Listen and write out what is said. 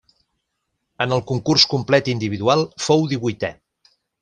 En el concurs complet individual fou divuitè.